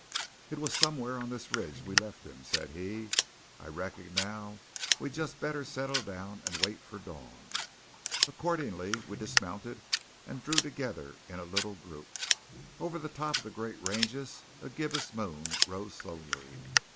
"It was somewhere on this ridge we left him," said he. "I reckon now we'd just better set down and wait for dawn." Accordingly we dismounted and drew together in a little group. Over the top of the great ranges a gibbous moon rose slowly.